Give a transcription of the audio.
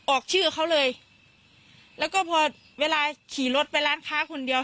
ออกชื่อเขาเลยแล้วก็พอเวลาขี่รถไปร้านค้าคนเดียว